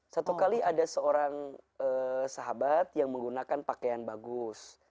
satu kali ada seorang sahabat yang menggunakan pakaian bagus